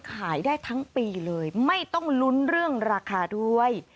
ขายได้ทั้งปีเลยไม่ต้องลุ้นเรื่องราคาด้วย